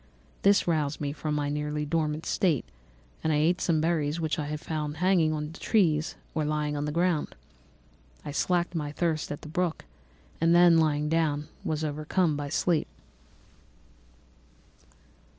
This roused me from my nearly dormant state, and I ate some berries which I found hanging on the trees or lying on the ground. I slaked my thirst at the brook, and then lying down, was overcome by sleep.